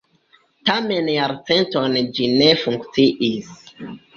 Tamen jarcentojn ĝi ne funkciis.